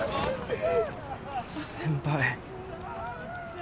先輩。